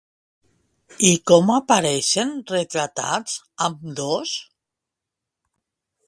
I com apareixen retratats ambdós?